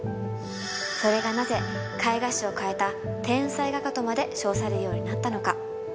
それがなぜ絵画史を変えた天才画家とまで称されるようになったのか？